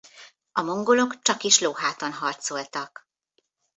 A mongolok csakis lóháton harcoltak.